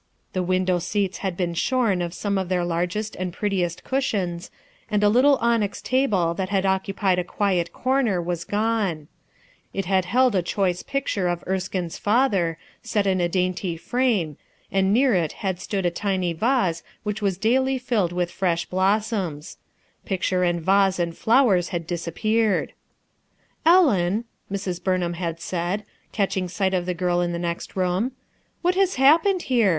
Tlje window scats had been *hom of some of their largest and pret tiest cushions, and a little onyx, tabic that had occupied a quiet comer was pone. It hail held 151 RUTH ERSKINE'S SON a choice picture of Erskinc's father, set in & dainty frame, and near it had stood a tiny vase which was daily filled with fresh blossoms Picture and vase and flowers had disappear^! "Ellen/' Mrs. Burnham had said, catching sight of the girl in the next room, "what has happened here?